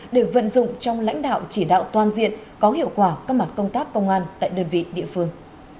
để vận dụng trong lãnh đạo chỉ đạo toàn diện có hiệu quả các mặt công tác công an tại đơn vị địa phương